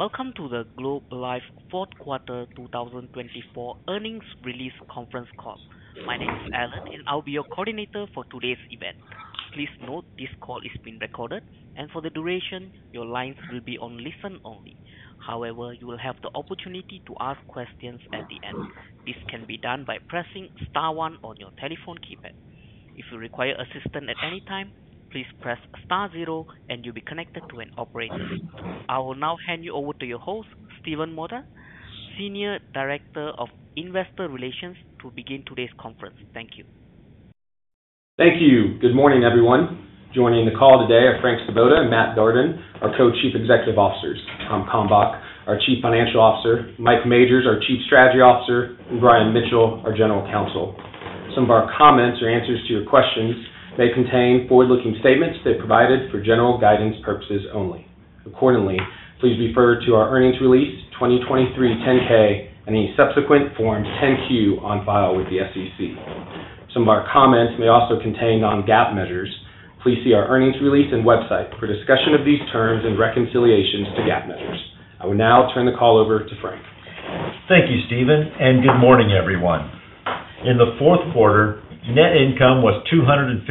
Welcome to the Globe Life Q4 2024 Earnings Release Conference Call. My name is Alan, and I'll be your coordinator for today's event. Please note this call is being recorded, and for the duration, your lines will be on listen only. However, you will have the opportunity to ask questions at the end. This can be done by pressing star one on your telephone keypad. If you require assistance at any time, please press star zero, and you'll be connected to an operator. I will now hand you over to your host, Stephen Mota, Senior Director of Investor Relations, to begin today's conference. Thank you. Thank you. Good morning, everyone. Joining the call today are Frank Svoboda and Matt Darden, our Co-Chief Executive Officers. Tom Kalmbach, our Chief Financial Officer, Mike Majors, our Chief Strategy Officer, and Brian Mitchell, our General Counsel. Some of our comments or answers to your questions may contain forward-looking statements they provided for general guidance purposes only. Accordingly, please refer to our Earnings Release, 2023 10-K and any subsequent Form 10-Q on file with the SEC. Some of our comments may also contain non-GAAP measures. Please see our Earnings Release and website for discussion of these terms and reconciliations to GAAP measures. I will now turn the call over to Frank. Thank you, Stephen, and good morning, everyone. In the fourth quarter, net income was $255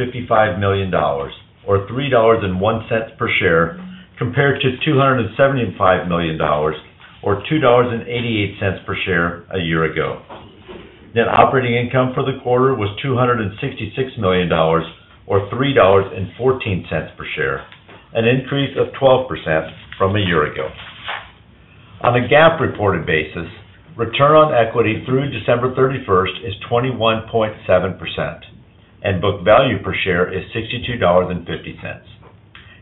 million, or $3.01 per share, compared to $275 million, or $2.88 per share, a year ago. Net operating income for the quarter was $266 million, or $3.14 per share, an increase of 12% from a year ago. On a GAAP-reported basis, return on equity through December 31 is 21.7%, and book value per share is $62.50.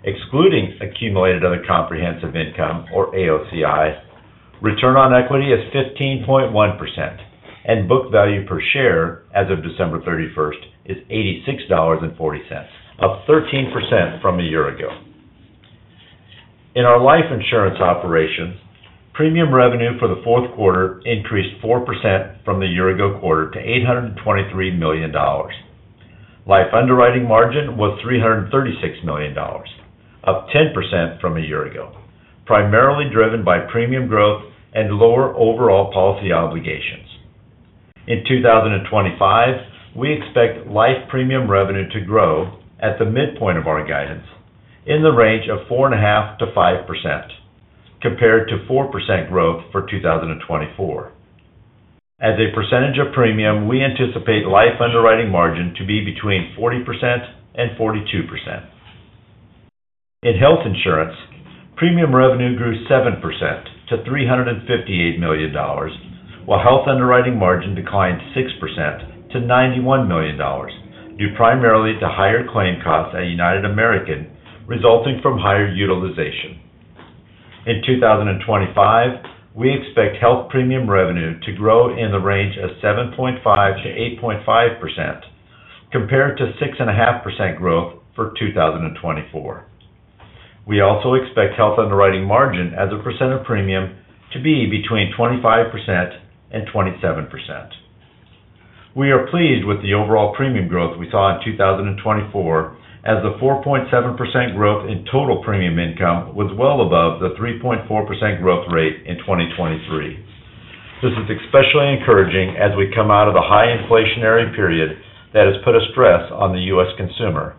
Excluding accumulated other comprehensive income, or AOCI, return on equity is 15.1%, and book value per share as of December 31 is $86.40, up 13% from a year ago. In our life insurance operations, premium revenue for the fourth quarter increased 4% from the year-ago quarter to $823 million. Life underwriting margin was $336 million, up 10% from a year ago, primarily driven by premium growth and lower overall policy obligations. In 2025, we expect life premium revenue to grow at the midpoint of our guidance in the range of 4.5%-5%, compared to 4% growth for 2024. As a percentage of premium, we anticipate life underwriting margin to be between 40% and 42%. In health insurance, premium revenue grew 7% to $358 million, while health underwriting margin declined 6% to $91 million, due primarily to higher claim costs at United American, resulting from higher utilization. In 2025, we expect health premium revenue to grow in the range of 7.5%-8.5%, compared to 6.5% growth for 2024. We also expect health underwriting margin as a percent of premium to be between 25% and 27%. We are pleased with the overall premium growth we saw in 2024, as the 4.7% growth in total premium income was well above the 3.4% growth rate in 2023. This is especially encouraging as we come out of a high inflationary period that has put a stress on the U.S. consumer,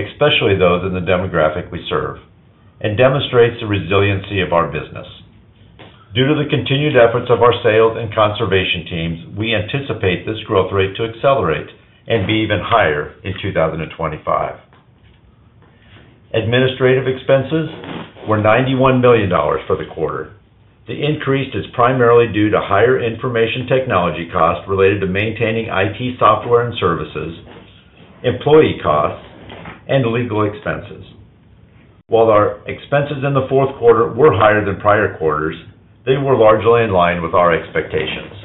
especially those in the demographic we serve, and demonstrates the resiliency of our business. Due to the continued efforts of our sales and conservation teams, we anticipate this growth rate to accelerate and be even higher in 2025. Administrative expenses were $91 million for the quarter. The increase is primarily due to higher information technology costs related to maintaining IT software and services, employee costs, and legal expenses. While our expenses in the fourth quarter were higher than prior quarters, they were largely in line with our expectations.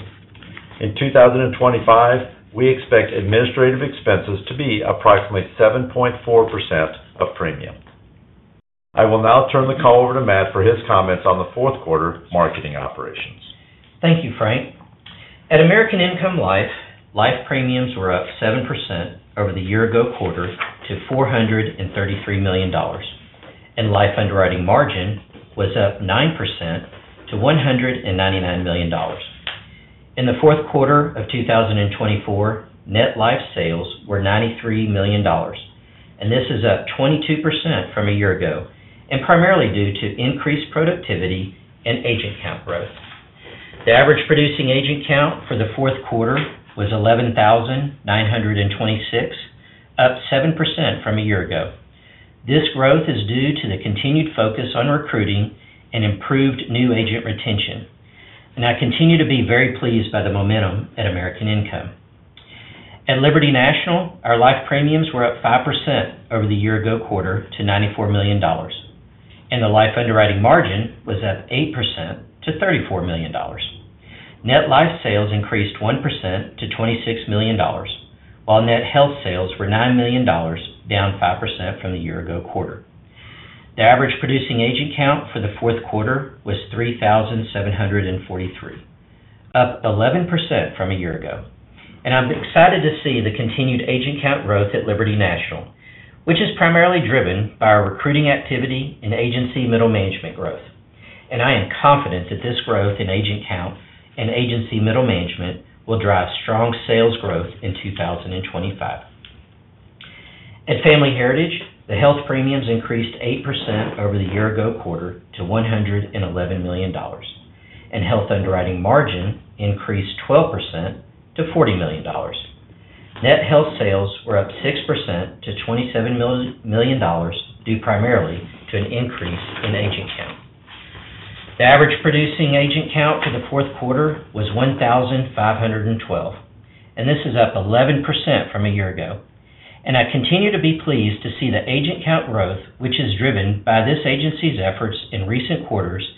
In 2025, we expect administrative expenses to be approximately 7.4% of premium. I will now turn the call over to Matt for his comments on the fourth quarter marketing operations. Thank you, Frank. At American Income Life, life premiums were up 7% over the year-ago quarter to $433 million, and life underwriting margin was up 9% to $199 million. In the fourth quarter of 2024, net life sales were $93 million, and this is up 22% from a year ago, and primarily due to increased productivity and agent count growth. The average producing agent count for the fourth quarter was 11,926, up 7% from a year ago. This growth is due to the continued focus on recruiting and improved new agent retention, and I continue to be very pleased by the momentum at American Income. At Liberty National, our life premiums were up 5% over the year-ago quarter to $94 million, and the life underwriting margin was up 8% to $34 million. Net life sales increased 1% to $26 million, while net health sales were $9 million, down 5% from the year-ago quarter. The average producing agent count for the fourth quarter was 3,743, up 11% from a year ago, and I'm excited to see the continued agent count growth at Liberty National, which is primarily driven by our recruiting activity and agency middle management growth, and I am confident that this growth in agent count and agency middle management will drive strong sales growth in 2025. At Family Heritage, the health premiums increased 8% over the year-ago quarter to $111 million, and health underwriting margin increased 12% to $40 million. Net health sales were up 6% to $27 million, due primarily to an increase in agent count. The average producing agent count for the fourth quarter was 1,512, and this is up 11% from a year ago, and I continue to be pleased to see the agent count growth, which is driven by this agency's efforts in recent quarters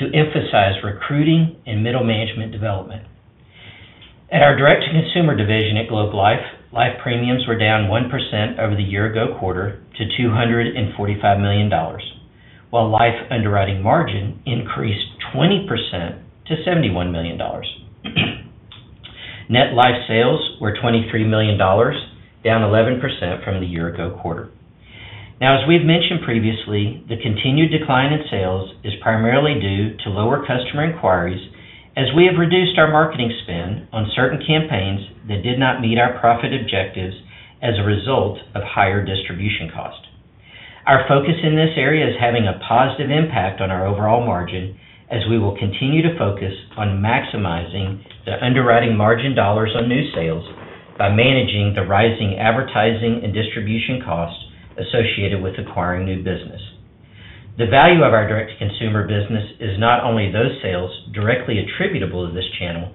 to emphasize recruiting and middle management development. At our Direct to Consumer division at Globe Life, life premiums were down 1% over the year-ago quarter to $245 million, while life underwriting margin increased 20% to $71 million. Net life sales were $23 million, down 11% from the year-ago quarter. Now, as we've mentioned previously, the continued decline in sales is primarily due to lower customer inquiries, as we have reduced our marketing spend on certain campaigns that did not meet our profit objectives as a result of higher distribution cost. Our focus in this area is having a positive impact on our overall margin, as we will continue to focus on maximizing the underwriting margin dollars on new sales by managing the rising advertising and distribution costs associated with acquiring new business. The value of our Direct to Consumer business is not only those sales directly attributable to this channel,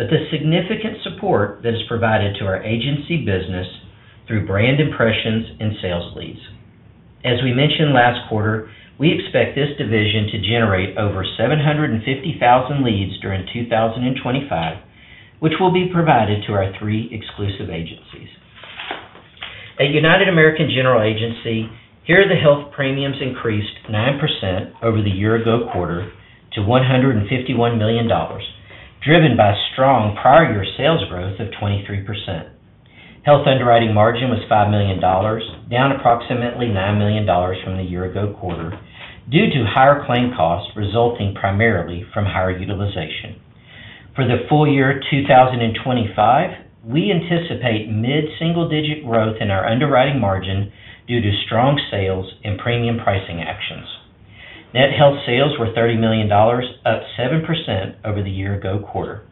but the significant support that is provided to our agency business through brand impressions and sales leads. As we mentioned last quarter, we expect this division to generate over 750,000 leads during 2025, which will be provided to our three exclusive agencies. At United American General Agency, here, the health premiums increased 9% over the year-ago quarter to $151 million, driven by strong prior-year sales growth of 23%. Health underwriting margin was $5 million, down approximately $9 million from the year-ago quarter, due to higher claim costs resulting primarily from higher utilization. For the full year 2025, we anticipate mid-single-digit growth in our underwriting margin due to strong sales and premium pricing actions. Net health sales were $30 million, up 7% over the year-ago quarter.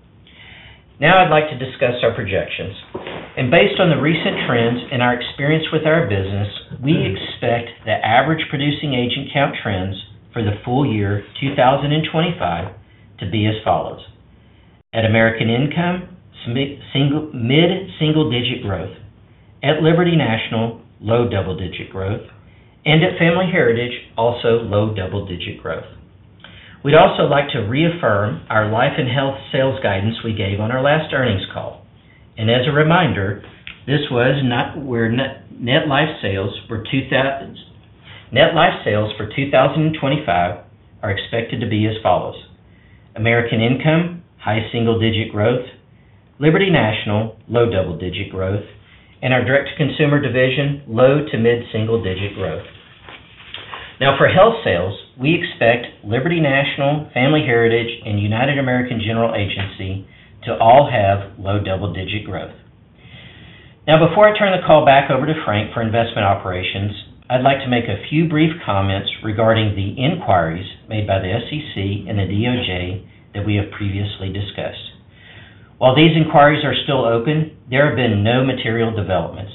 Now, I'd like to discuss our projections. Based on the recent trends and our experience with our business, we expect the average producing agent count trends for the full year 2025 to be as follows: at American Income, mid-single-digit growth; at Liberty National, low double-digit growth; and at Family Heritage, also low double-digit growth. We'd also like to reaffirm our life and health sales guidance we gave on our last earnings call. As a reminder, net life sales were $200 million. Net life sales for 2025 are expected to be as follows: American Income, high single-digit growth; Liberty National, low double-digit growth; and our Direct to Consumer division, low to mid-single-digit growth. Now, for health sales, we expect Liberty National, Family Heritage, and United American General Agency to all have low double-digit growth. Now, before I turn the call back over to Frank for investment operations, I'd like to make a few brief comments regarding the inquiries made by the SEC and the DOJ that we have previously discussed. While these inquiries are still open, there have been no material developments,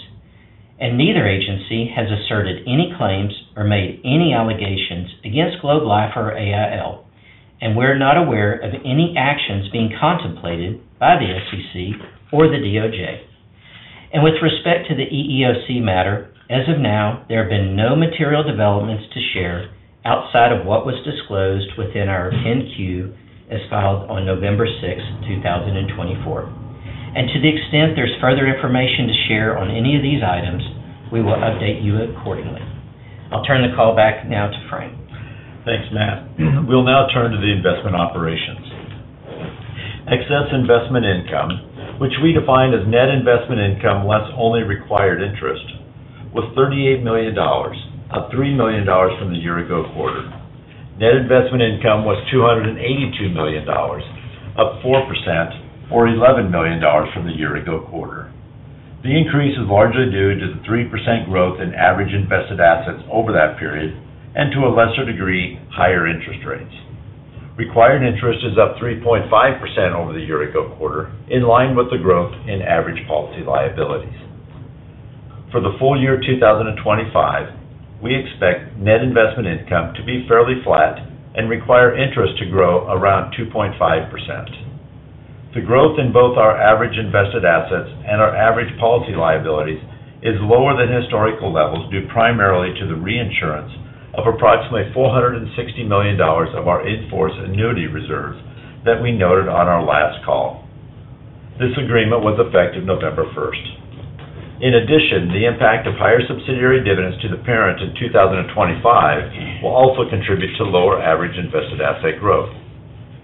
and neither agency has asserted any claims or made any allegations against Globe Life or AIL, and we're not aware of any actions being contemplated by the SEC or the DOJ. And with respect to the EEOC matter, as of now, there have been no material developments to share outside of what was disclosed within our 10-Q as filed on November 6, 2024. To the extent there's further information to share on any of these items, we will update you accordingly. I'll turn the call back now to Frank. Thanks, Matt. We'll now turn to the investment operations. Excess investment income, which we define as net investment income less only required interest, was $38 million, up $3 million from the year-ago quarter. Net investment income was $282 million, up 4%, or $11 million from the year-ago quarter. The increase is largely due to the 3% growth in average invested assets over that period and, to a lesser degree, higher interest rates. Required interest is up 3.5% over the year-ago quarter, in line with the growth in average policy liabilities. For the full year 2025, we expect net investment income to be fairly flat and required interest to grow around 2.5%. The growth in both our average invested assets and our average policy liabilities is lower than historical levels due primarily to the reinsurance of approximately $460 million of our in-force annuity reserves that we noted on our last call. This agreement was effective November 1. In addition, the impact of higher subsidiary dividends to the parent in 2025 will also contribute to lower average invested asset growth.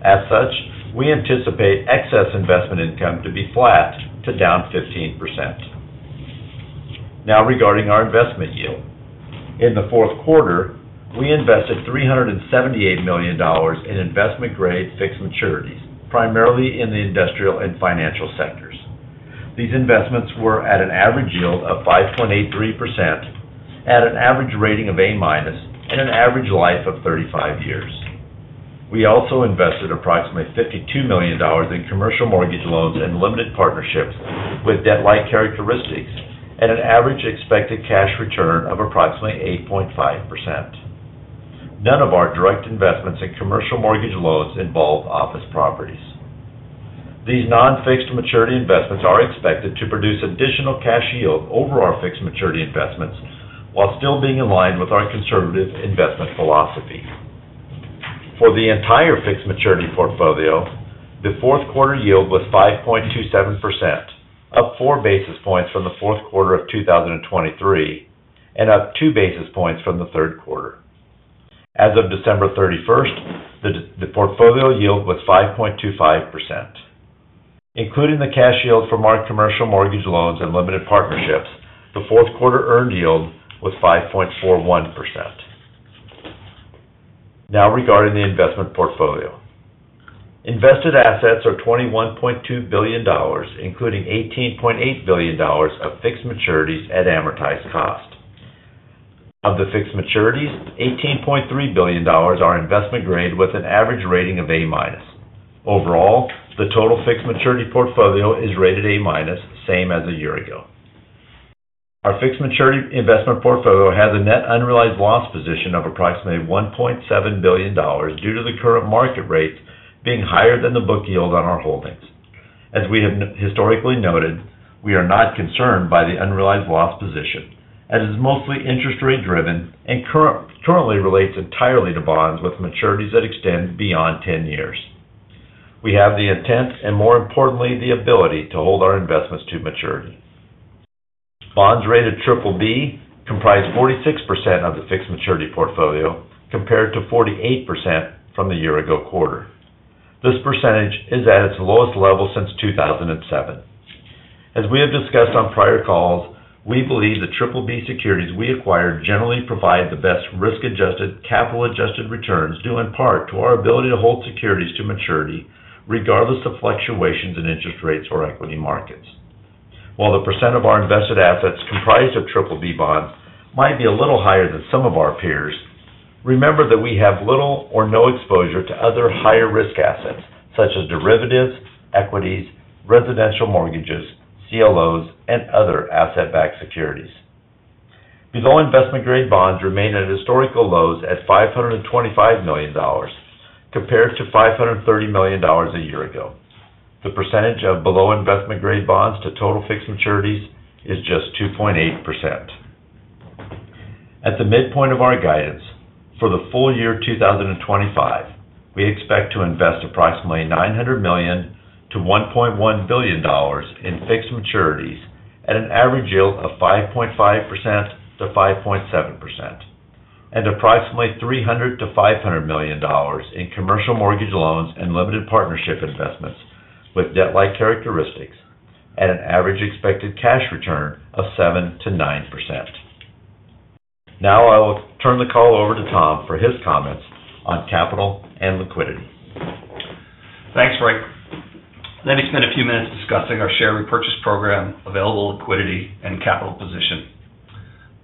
As such, we anticipate excess investment income to be flat to down 15%. Now, regarding our investment yield. In the fourth quarter, we invested $378 million in investment-grade fixed maturities, primarily in the industrial and financial sectors. These investments were at an average yield of 5.83%, at an average rating of A-minus, and an average life of 35 years. We also invested approximately $52 million in commercial mortgage loans and limited partnerships with debt-like characteristics, at an average expected cash return of approximately 8.5%. None of our direct investments in commercial mortgage loans involve office properties. These non-fixed maturity investments are expected to produce additional cash yield over our fixed maturity investments, while still being in line with our conservative investment philosophy. For the entire fixed maturity portfolio, the fourth quarter yield was 5.27%, up 4 basis points from the fourth quarter of 2023 and up 2 basis points from the third quarter. As of December 31, the portfolio yield was 5.25%. Including the cash yield from our commercial mortgage loans and limited partnerships, the fourth quarter earned yield was 5.41%. Now, regarding the investment portfolio. Invested assets are $21.2 billion, including $18.8 billion of fixed maturities at amortized cost. Of the fixed maturities, $18.3 billion are investment-grade with an average rating of A-minus. Overall, the total fixed maturity portfolio is rated A-minus, same as a year ago. Our fixed maturity investment portfolio has a net unrealized loss position of approximately $1.7 billion due to the current market rates being higher than the book yield on our holdings. As we have historically noted, we are not concerned by the unrealized loss position, as it is mostly interest rate-driven and currently relates entirely to bonds with maturities that extend beyond 10 years. We have the intent and, more importantly, the ability to hold our investments to maturity. Bonds rated BBB comprise 46% of the fixed maturity portfolio, compared to 48% from the year-ago quarter. This percentage is at its lowest level since 2007. As we have discussed on prior calls, we believe the BBB securities we acquired generally provide the best risk-adjusted, capital-adjusted returns due in part to our ability to hold securities to maturity, regardless of fluctuations in interest rates or equity markets. While the % of our invested assets comprised of BBB bonds might be a little higher than some of our peers, remember that we have little or no exposure to other higher-risk assets, such as derivatives, equities, residential mortgages, CLOs, and other asset-backed securities. Below investment-grade bonds remain at historical lows at $525 million, compared to $530 million a year ago. The % of below investment-grade bonds to total fixed maturities is just 2.8%. At the midpoint of our guidance for the full year 2025, we expect to invest approximately $900 million to $1.1 billion in fixed maturities at an average yield of 5.5%-5.7%, and approximately $300-$500 million in commercial mortgage loans and limited partnership investments with debt-like characteristics, at an average expected cash return of 7%-9%. Now, I will turn the call over to Tom for his comments on capital and liquidity. Thanks, Frank. Let me spend a few minutes discussing our share repurchase program, available liquidity, and capital position.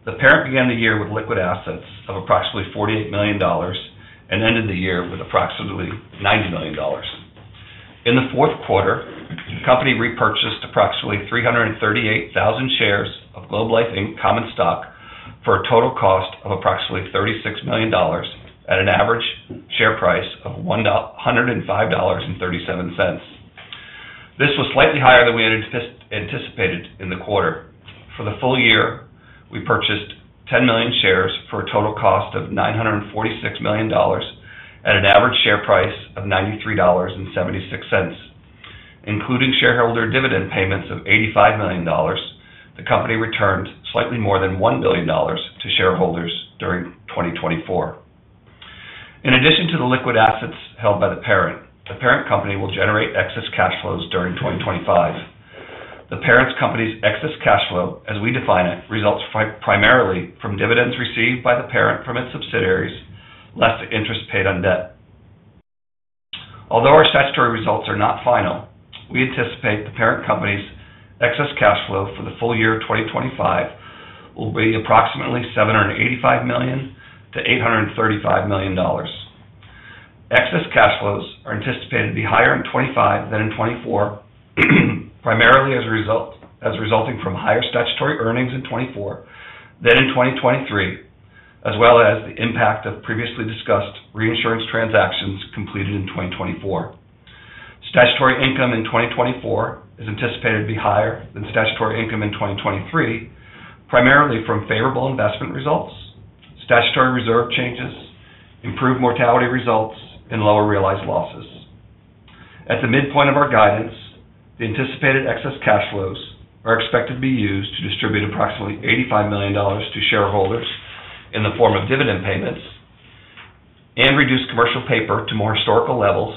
The parent began the year with liquid assets of approximately $48 million and ended the year with approximately $90 million. In the fourth quarter, the company repurchased approximately 338,000 shares of Globe Life common stock for a total cost of approximately $36 million, at an average share price of $105.37. This was slightly higher than we had anticipated in the quarter. For the full year, we purchased 10 million shares for a total cost of $946 million, at an average share price of $93.76. Including shareholder dividend payments of $85 million, the company returned slightly more than $1 billion to shareholders during 2024. In addition to the liquid assets held by the parent, the parent company will generate excess cash flows during 2025. The parent company's excess cash flow, as we define it, results primarily from dividends received by the parent from its subsidiaries less the interest paid on debt. Although our statutory results are not final, we anticipate the parent company's excess cash flow for the full year 2025 will be approximately $785 million-$835 million. Excess cash flows are anticipated to be higher in 2025 than in 2024, primarily as resulting from higher statutory earnings in 2024 than in 2023, as well as the impact of previously discussed reinsurance transactions completed in 2024. Statutory income in 2024 is anticipated to be higher than statutory income in 2023, primarily from favorable investment results, statutory reserve changes, improved mortality results, and lower realized losses. At the midpoint of our guidance, the anticipated excess cash flows are expected to be used to distribute approximately $85 million to shareholders in the form of dividend payments and reduce commercial paper to more historical levels,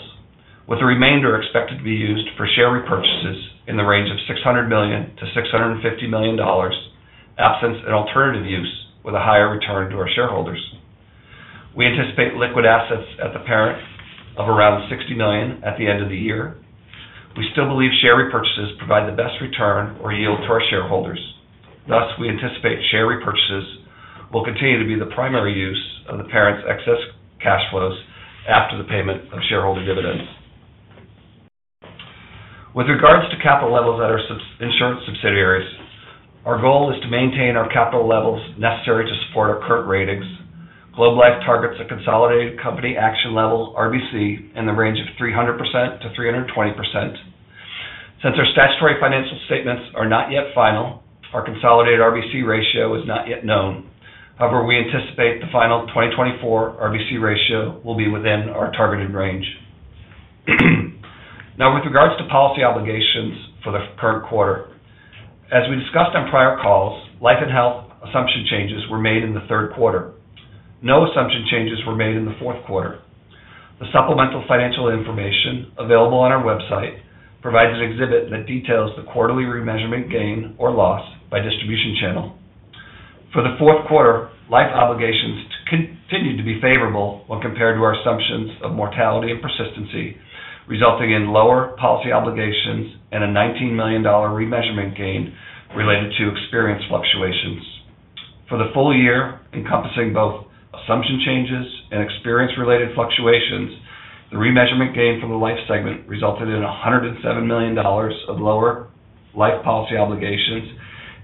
with the remainder expected to be used for share repurchases in the range of $600 million-$650 million absent an alternative use with a higher return to our shareholders. We anticipate liquid assets at the parent of around $60 million at the end of the year. We still believe share repurchases provide the best return or yield to our shareholders. Thus, we anticipate share repurchases will continue to be the primary use of the parent's excess cash flows after the payment of shareholder dividends. With regards to capital levels at our insurance subsidiaries, our goal is to maintain our capital levels necessary to support our current ratings. Globe Life targets a consolidated Company Action Level RBC, in the range of 300%-320%. Since our statutory financial statements are not yet final, our consolidated RBC ratio is not yet known. However, we anticipate the final 2024 RBC ratio will be within our targeted range. Now, with regards to policy obligations for the current quarter, as we discussed on prior calls, life and health assumption changes were made in the third quarter. No assumption changes were made in the fourth quarter. The supplemental financial information available on our website provides an exhibit that details the quarterly remeasurement gain or loss by distribution channel. For the fourth quarter, life obligations continued to be favorable when compared to our assumptions of mortality and persistency, resulting in lower policy obligations and a $19 million remeasurement gain related to experienced fluctuations. For the full year, encompassing both assumption changes and experience-related fluctuations, the remeasurement gain for the life segment resulted in $107 million of lower life policy obligations,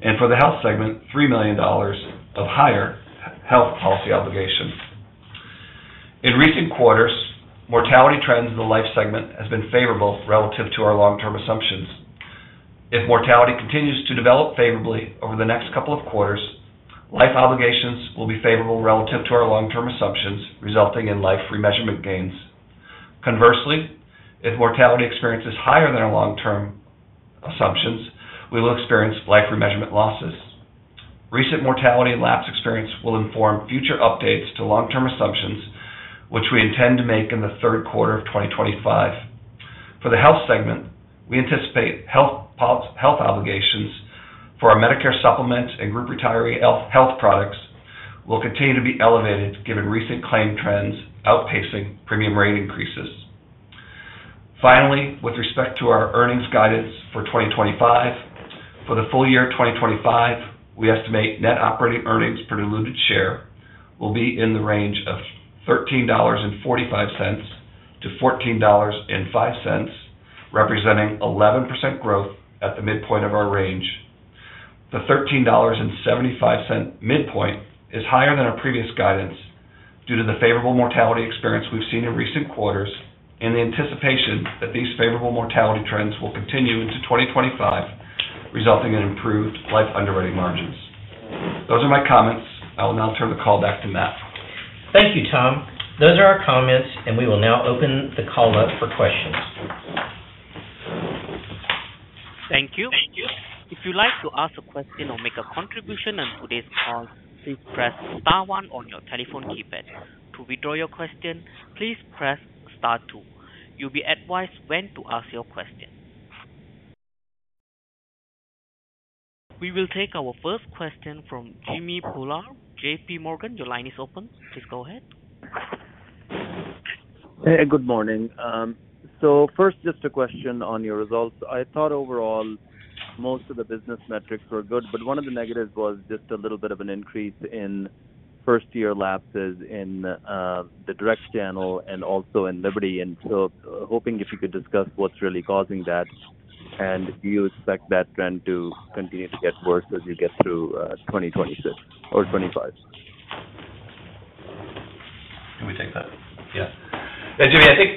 and for the health segment, $3 million of higher health policy obligations. In recent quarters, mortality trends in the life segment have been favorable relative to our long-term assumptions. If mortality continues to develop favorably over the next couple of quarters, life obligations will be favorable relative to our long-term assumptions, resulting in life remeasurement gains. Conversely, if mortality experiences higher than our long-term assumptions, we will experience life remeasurement losses. Recent mortality and lapse experience will inform future updates to long-term assumptions, which we intend to make in the third quarter of 2025. For the health segment, we anticipate health obligations for our Medicare Supplements and group retiree health products will continue to be elevated, given recent claim trends outpacing premium rate increases. Finally, with respect to our earnings guidance for 2025, for the full year 2025, we estimate net operating earnings per diluted share will be in the range of $13.45-$14.05, representing 11% growth at the midpoint of our range. The $13.75 midpoint is higher than our previous guidance due to the favorable mortality experience we've seen in recent quarters, in the anticipation that these favorable mortality trends will continue into 2025, resulting in improved life underwriting margins. Those are my comments. I will now turn the call back to Matt. Thank you, Tom. Those are our comments, and we will now open the call up for questions. Thank you. If you'd like to ask a question or make a contribution on today's call, please press Star 1 on your telephone keypad. To withdraw your question, please press Star 2. You'll be advised when to ask your question. We will take our first question from Jimmy Bhullar. JPMorgan, your line is open. Please go ahead. Hey, good morning. So first, just a question on your results. I thought overall most of the business metrics were good, but one of the negatives was just a little bit of an increase in first-year lapses in the direct channel and also in Liberty. And so hoping if you could discuss what's really causing that and do you expect that trend to continue to get worse as you get through 2026 or 2025? Can we take that? Yeah. Hey, Jimmy, I think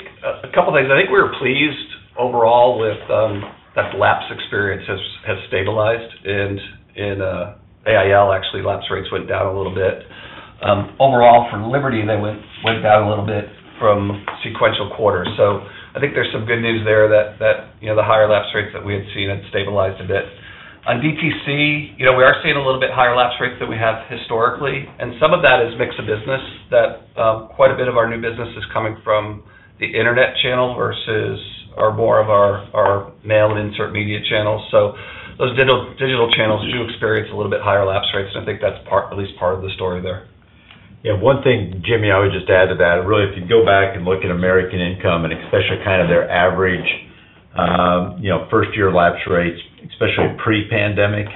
a couple of things. I think we're pleased overall with that lapse experience has stabilized. And in AIL, actually, lapse rates went down a little bit. Overall, for Liberty, they went down a little bit from sequential quarters. So I think there's some good news there that the higher lapse rates that we had seen, it stabilized a bit. On DTC, we are seeing a little bit higher lapse rates than we have historically. And some of that is mixed business that quite a bit of our new business is coming from the internet channel versus more of our mail and insert media channels. So those digital channels do experience a little bit higher lapse rates, and I think that's at least part of the story there. Yeah. One thing, Jimmy, I would just add to that. Really, if you go back and look at American Income and especially kind of their average first-year lapse rates, especially pre-pandemic,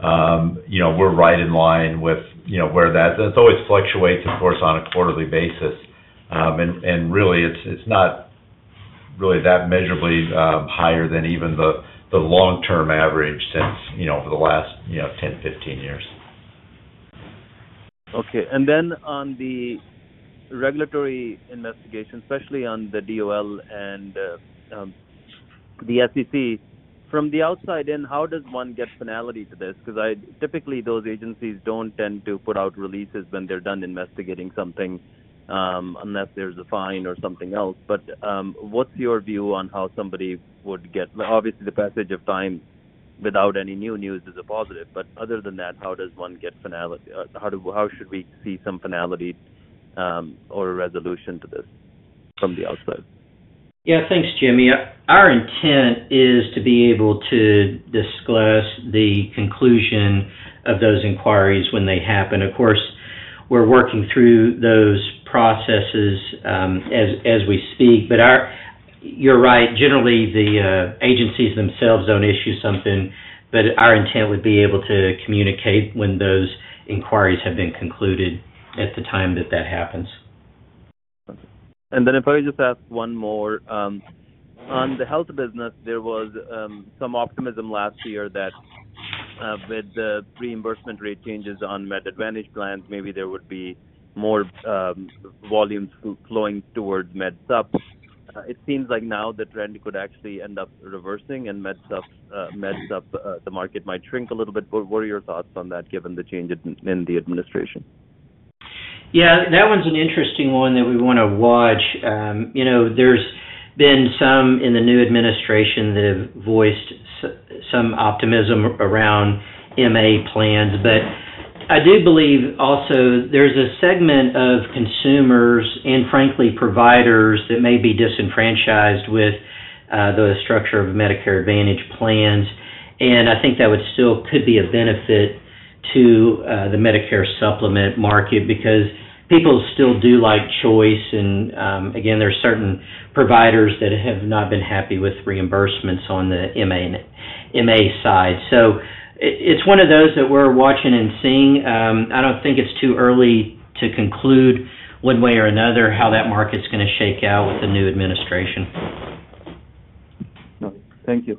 we're right in line with where that is. And it always fluctuates, of course, on a quarterly basis. And really, it's not really that measurably higher than even the long-term average since over the last 10, 15 years. Okay. And then on the regulatory investigation, especially on the DOL and the SEC, from the outside in, how does one get finality to this? Because typically, those agencies don't tend to put out releases when they're done investigating something unless there's a fine or something else. But what's your view on how somebody would get obviously, the passage of time without any new news is a positive. But other than that, how does one get finality? How should we see some finality or a resolution to this from the outside? Yeah. Thanks, Jimmy. Our intent is to be able to disclose the conclusion of those inquiries when they happen. Of course, we're working through those processes as we speak. But you're right. Generally, the agencies themselves don't issue something, but our intent would be able to communicate when those inquiries have been concluded at the time that that happens. Then if I just ask one more, on the health business, there was some optimism last year that with the reimbursement rate changes on Medicare Advantage plans, maybe there would be more volumes flowing towards Medicare Supplement. It seems like now the trend could actually end up reversing, and Medicare Supplement, the market might shrink a little bit. What are your thoughts on that given the change in the administration? Yeah. That one's an interesting one that we want to watch. There's been some in the new administration that have voiced some optimism around MA plans. But I do believe also there's a segment of consumers and, frankly, providers that may be disenfranchised with the structure of Medicare Advantage plans. And I think that still could be a benefit to the Medicare Supplement market because people still do like choice. And again, there are certain providers that have not been happy with reimbursements on the MA side. So it's one of those that we're watching and seeing. I don't think it's too early to conclude one way or another how that market's going to shake out with the new administration. Thank you.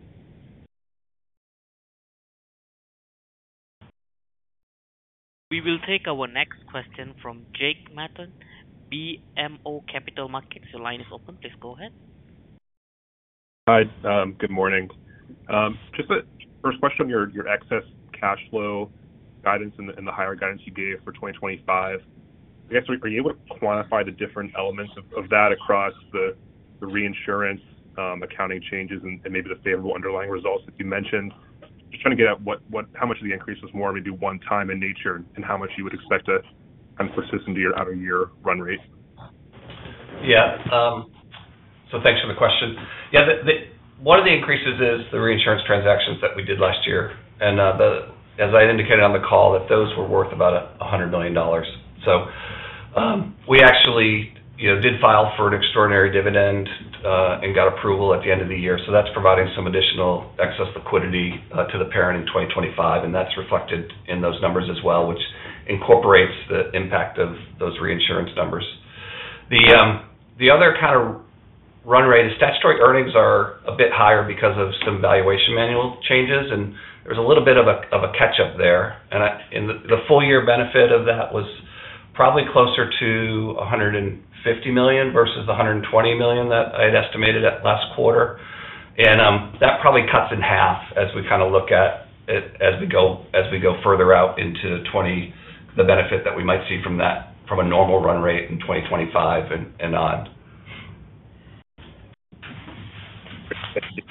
We will take our next question from Jack Matten, BMO Capital Markets. Your line is open. Please go ahead. Hi. Good morning. Just a first question, your excess cash flow guidance and the higher guidance you gave for 2025, I guess, are you able to quantify the different elements of that across the reinsurance accounting changes and maybe the favorable underlying results that you mentioned? Just trying to get out how much of the increase was more maybe one-time in nature and how much you would expect to kind of persist into your out-of-year run rate. Yeah. So thanks for the question. Yeah. One of the increases is the reinsurance transactions that we did last year. And as I indicated on the call, those were worth about $100 million. So we actually did file for an extraordinary dividend and got approval at the end of the year. So that's providing some additional excess liquidity to the parent in 2025. And that's reflected in those numbers as well, which incorporates the impact of those reinsurance numbers. The other kind of run rate is statutory earnings are a bit higher because of some Valuation Manual changes. And there's a little bit of a catch-up there. And the full-year benefit of that was probably closer to $150 million versus $120 million that I had estimated at last quarter. And that probably cuts in half as we kind of look at it as we go further out into the benefit that we might see from a normal run rate in 2025 and on. Thank you.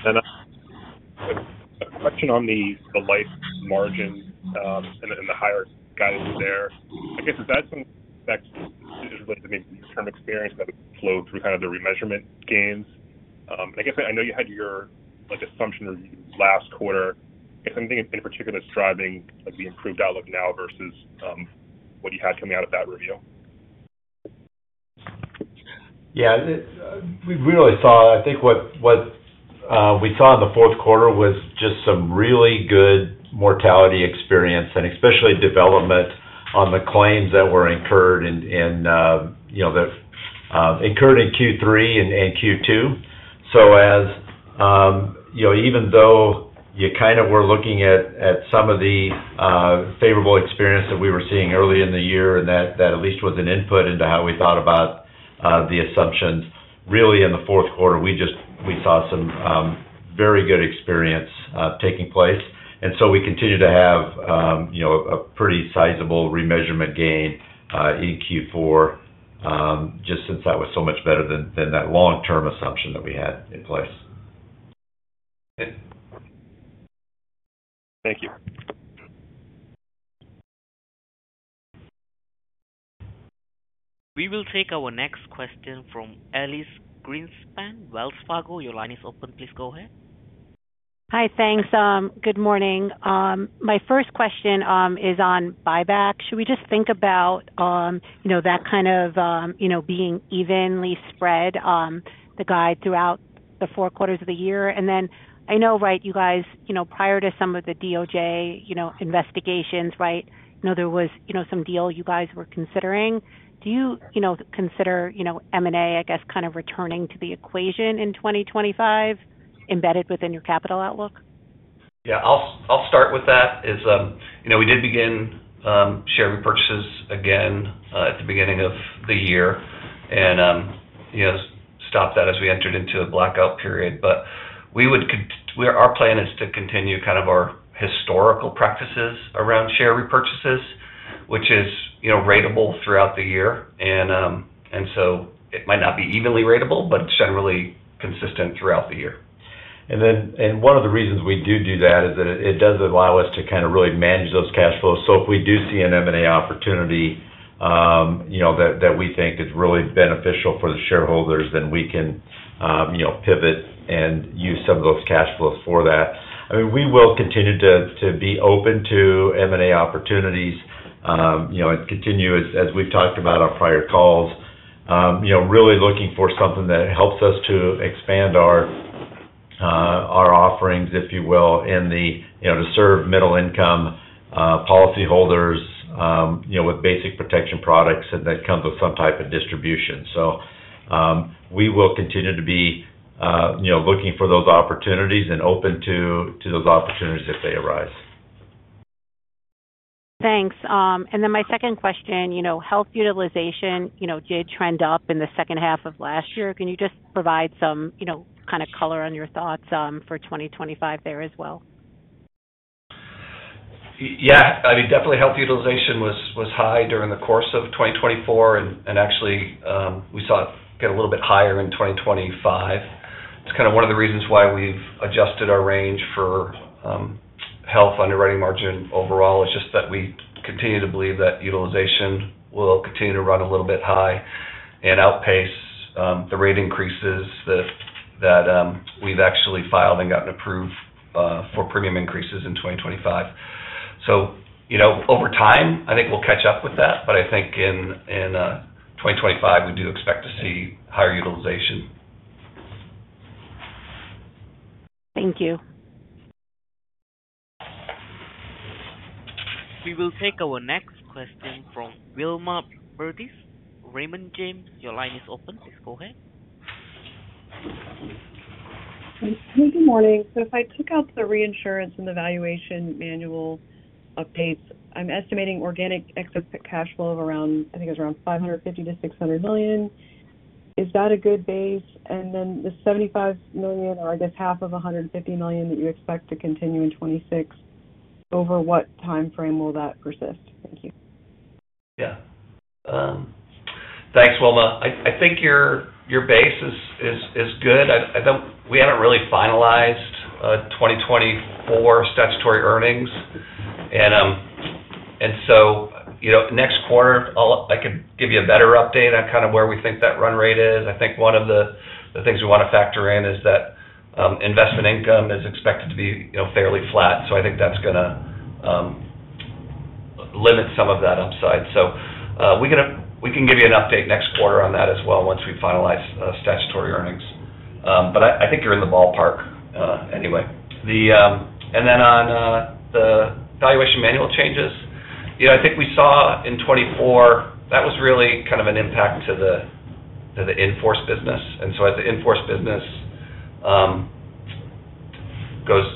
A question on the life margin and the higher guidance there. I guess, is that something that's related to maybe your term experience that would flow through kind of the remeasurement gains? I guess I know you had your assumption review last quarter. Is there anything in particular that's driving the improved outlook now versus what you had coming out of that review? Yeah. We really saw, I think, what we saw in the fourth quarter was just some really good mortality experience and especially development on the claims that were incurred in Q3 and Q2. So even though you kind of were looking at some of the favorable experience that we were seeing early in the year and that at least was an input into how we thought about the assumptions, really in the fourth quarter, we saw some very good experience taking place. And so we continue to have a pretty sizable remeasurement gain in Q4 just since that was so much better than that long-term assumption that we had in place. Thank you. We will take our next question from Elyse Greenspan, Wells Fargo. Your line is open. Please go ahead. Hi. Thanks. Good morning. My first question is on buyback. Should we just think about that kind of being evenly spread the guide throughout the four quarters of the year? And then I know, right, you guys, prior to some of the DOJ investigations, right, there was some deal you guys were considering. Do you consider M&A, I guess, kind of returning to the equation in 2025 embedded within your capital outlook? Yeah. I'll start with that. We did begin share repurchases again at the beginning of the year and stopped that as we entered into a blackout period, but our plan is to continue kind of our historical practices around share repurchases, which is ratable throughout the year, and so it might not be evenly ratable, but it's generally consistent throughout the year. One of the reasons we do that is that it does allow us to kind of really manage those cash flows. If we do see an M&A opportunity that we think is really beneficial for the shareholders, then we can pivot and use some of those cash flows for that. I mean, we will continue to be open to M&A opportunities and continue, as we've talked about on prior calls, really looking for something that helps us to expand our offerings, if you will, and to serve middle-income policyholders with basic protection products that come with some type of distribution. We will continue to be looking for those opportunities and open to those opportunities if they arise. Thanks. And then my second question, health utilization did trend up in the second half of last year. Can you just provide some kind of color on your thoughts for 2025 there as well? Yeah. I mean, definitely health utilization was high during the course of 2024, and actually, we saw it get a little bit higher in 2025. It's kind of one of the reasons why we've adjusted our range for health underwriting margin overall. It's just that we continue to believe that utilization will continue to run a little bit high and outpace the rate increases that we've actually filed and gotten approved for premium increases in 2025, so over time, I think we'll catch up with that, but I think in 2025, we do expect to see higher utilization. Thank you. We will take our next question from Wilma Burdis. Raymond James, your line is open. Please go ahead. Hey, good morning. So if I took out the reinsurance and the Valuation Manual updates, I'm estimating organic excess cash flow of around, I think it was around $550 million-$600 million. Is that a good base? And then the $75 million or, I guess, half of $150 million that you expect to continue in 2026, over what timeframe will that persist? Thank you. Yeah. Thanks, Wilma. I think your base is good. We haven't really finalized 2024 statutory earnings, and so next quarter, I could give you a better update on kind of where we think that run rate is. I think one of the things we want to factor in is that investment income is expected to be fairly flat, so I think that's going to limit some of that upside, so we can give you an update next quarter on that as well once we finalize statutory earnings. But I think you're in the ballpark anyway, and then on the Valuation Manual changes, I think we saw in 2024, that was really kind of an impact to the in-force business, and so as the in-force business goes,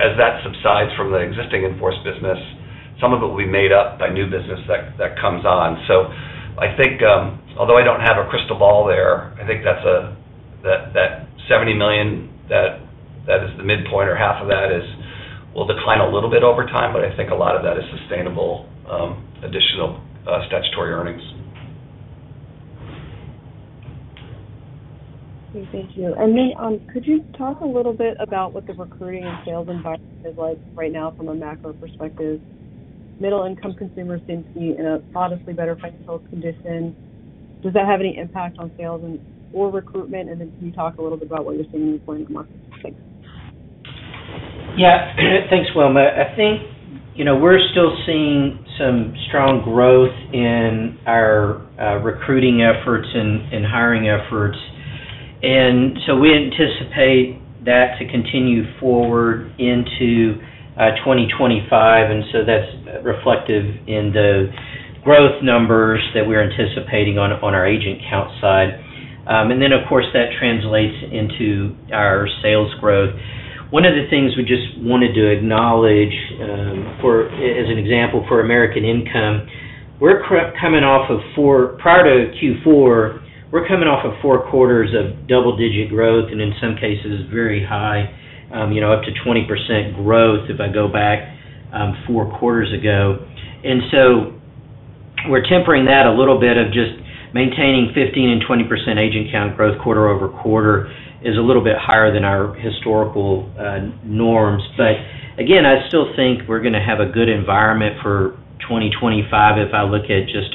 as that subsides from the existing in-force business, some of it will be made up by new business that comes on. So I think, although I don't have a crystal ball there, I think that 70 million, that is the midpoint, or half of that will decline a little bit over time. But I think a lot of that is sustainable additional statutory earnings. Thank you. And then could you talk a little bit about what the recruiting and sales environment is like right now from a macro perspective? Middle-income consumers seem to be in a modestly better financial condition. Does that have any impact on sales or recruitment? And then can you talk a little bit about what you're seeing in the employment market? Thanks. Yeah. Thanks, Wilma. I think we're still seeing some strong growth in our recruiting efforts and hiring efforts. And so we anticipate that to continue forward into 2025. And so that's reflective in the growth numbers that we're anticipating on our agent count side. And then, of course, that translates into our sales growth. One of the things we just wanted to acknowledge as an example for American Income, we're coming off of four quarters prior to Q4, we're coming off of four quarters of double-digit growth and in some cases very high, up to 20% growth if I go back four quarters ago. And so we're tempering that a little bit of just maintaining 15%-20% agent count growth quarter over quarter is a little bit higher than our historical norms. But again, I still think we're going to have a good environment for 2025 if I look at just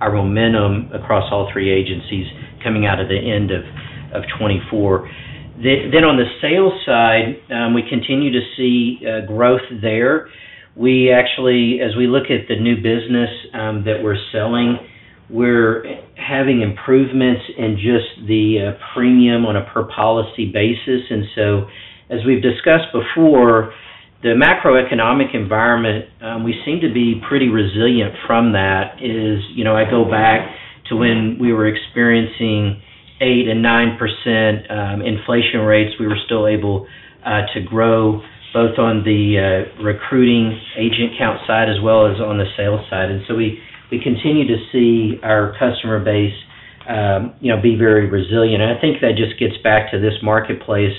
our momentum across all three agencies coming out of the end of 2024. Then on the sales side, we continue to see growth there. As we look at the new business that we're selling, we're having improvements in just the premium on a per-policy basis. And so as we've discussed before, the macroeconomic environment, we seem to be pretty resilient from that. I go back to when we were experiencing 8% and 9% inflation rates, we were still able to grow both on the recruiting agent count side as well as on the sales side. And so we continue to see our customer base be very resilient. I think that just gets back to this marketplace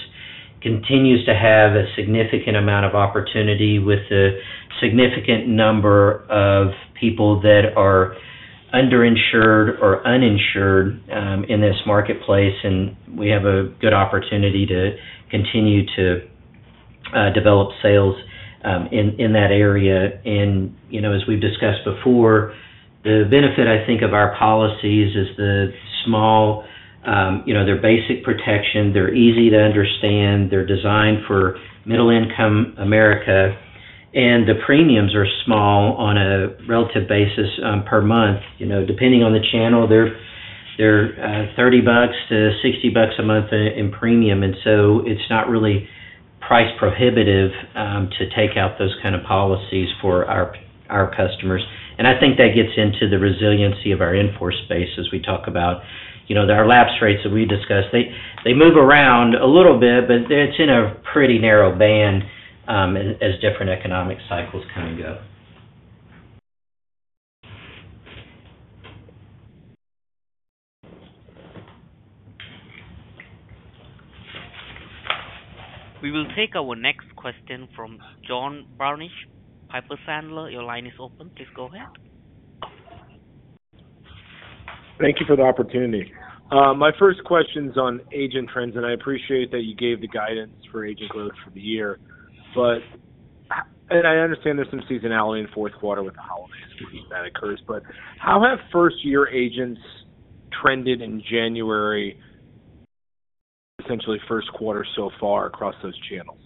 continues to have a significant amount of opportunity with a significant number of people that are underinsured or uninsured in this marketplace. And we have a good opportunity to continue to develop sales in that area. And as we've discussed before, the benefit, I think, of our policies is they're small, their basic protection. They're easy to understand. They're designed for middle-income America. And the premiums are small on a relative basis per month. Depending on the channel, they're $30-$60 a month in premium. And so it's not really price prohibitive to take out those kind of policies for our customers. And I think that gets into the resiliency of our in-force base as we talk about our lapse rates that we discussed. They move around a little bit, but it's in a pretty narrow band as different economic cycles kind of go. We will take our next question from John Barnidge, Piper Sandler. Your line is open. Please go ahead. Thank you for the opportunity. My first question is on agent trends. And I appreciate that you gave the guidance for agent growth for the year. And I understand there's some seasonality in fourth quarter with the holidays that occurs. But how have first-year agents trended in January, essentially first quarter so far across those channels?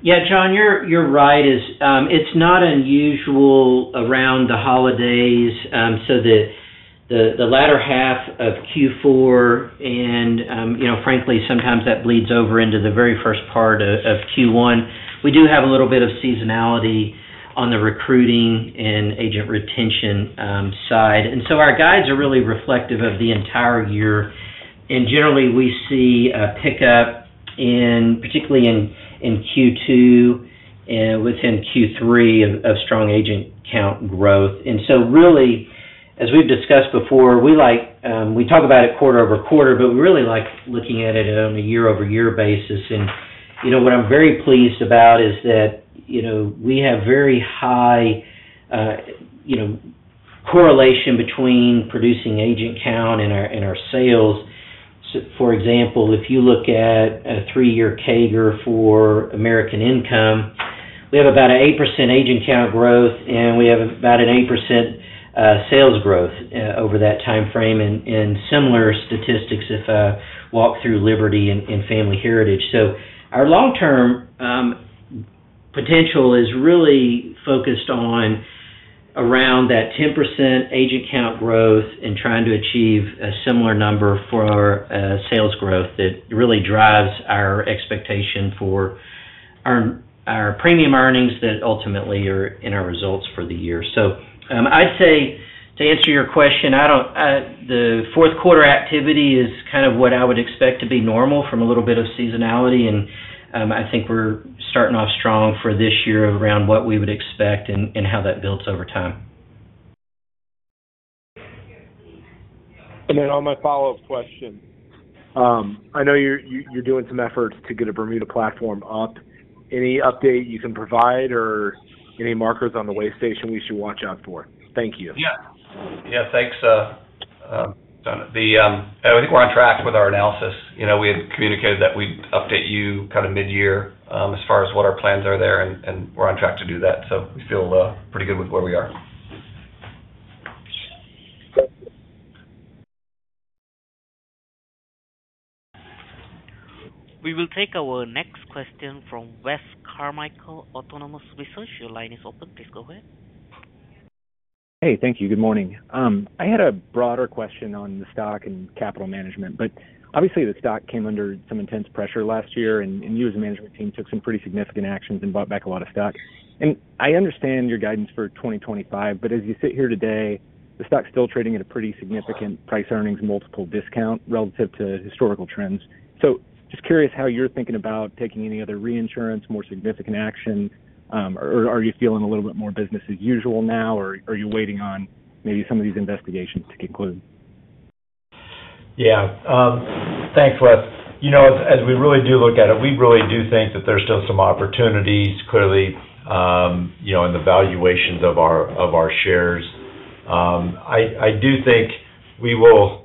Yeah, John, you're right. It's not unusual around the holidays. So the latter half of Q4, and frankly, sometimes that bleeds over into the very first part of Q1. We do have a little bit of seasonality on the recruiting and agent retention side. And so our guides are really reflective of the entire year. And generally, we see a pickup, particularly in Q2 and within Q3, of strong agent count growth. And so really, as we've discussed before, we talk about it quarter over quarter, but we really like looking at it on a year-over-year basis. And what I'm very pleased about is that we have very high correlation between producing agent count and our sales. For example, if you look at a three-year CAGR for American Income, we have about an 8% agent count growth, and we have about an 8% sales growth over that timeframe and similar statistics if I walk through Liberty and Family Heritage. So our long-term potential is really focused on around that 10% agent count growth and trying to achieve a similar number for our sales growth that really drives our expectation for our premium earnings that ultimately are in our results for the year. So I'd say to answer your question, the fourth quarter activity is kind of what I would expect to be normal from a little bit of seasonality. And I think we're starting off strong for this year around what we would expect and how that builds over time. And then, on my follow-up question, I know you're doing some efforts to get a Bermuda platform up. Any update you can provide or any markers on the way station we should watch out for? Thank you. Yeah. Yeah. Thanks, John. I think we're on track with our analysis. We had communicated that we'd update you kind of mid-year as far as what our plans are there, and we're on track to do that, so we feel pretty good with where we are. We will take our next question from Wes Carmichael, Autonomous Research. Your line is open. Please go ahead. Hey, thank you. Good morning. I had a broader question on the stock and capital management. But obviously, the stock came under some intense pressure last year. And you, as a management team, took some pretty significant actions and bought back a lot of stock. And I understand your guidance for 2025. But as you sit here today, the stock's still trading at a pretty significant price-earnings multiple discount relative to historical trends. So just curious how you're thinking about taking any other reinsurance, more significant action. Or are you feeling a little bit more business as usual now? Or are you waiting on maybe some of these investigations to conclude? Yeah. Thanks, Wes. As we really do look at it, we really do think that there's still some opportunities, clearly, in the valuations of our shares. I do think we will